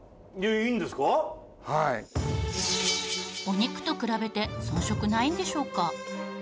お肉と比べて遜色ないんでしょうか？